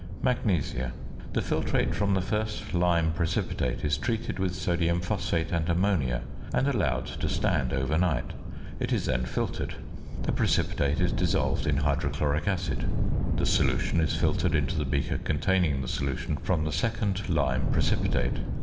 ~Magnesia.~ The filtrate from the first lime precipitate is treated with sodium phosphate and ammonia, and allowed to stand overnight. It is then filtered. The precipitate is dissolved in hydrochloric acid; the solution is filtered into the beaker containing the solution from the second lime precipitate.